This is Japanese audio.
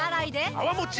泡もち